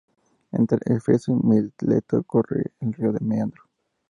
Entre Éfeso y Mileto corre el río Meandro.